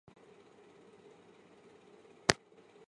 伪证罪在刑法属于重罪。